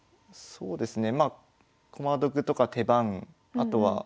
そうですね。